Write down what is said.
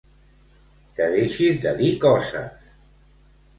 Que deixis de dir coses.